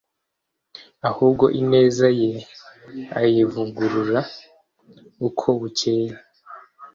ahubwo ineza ye ayivugurura uko bukeye,